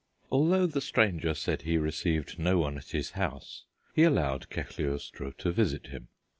Although the stranger said he received no one at his house he allowed Cagliostro to visit him.